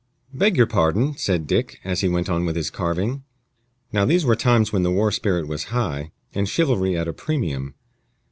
"Beg your pardon," said Dick, as he went on with his carving. Now these were times when the war spirit was high, and chivalry at a premium.